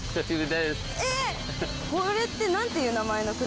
えっこれって何ていう名前の車。